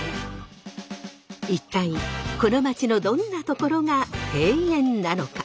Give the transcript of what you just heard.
一体この街のどんなところが庭園なのか？